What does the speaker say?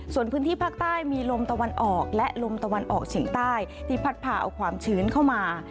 ส่วนพื้นที่ภาคใต้มีลมตะวันออกและลมตะวันออกเฉียงใต้ที่พัดพาเอาความชื้นเข้ามา